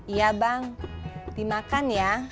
iya bang dimakan ya